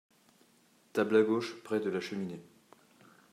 Table à gauche près de la cheminée.